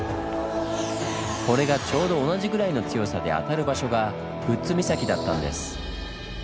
これがちょうど同じぐらいの強さであたる場所が富津岬だったんです。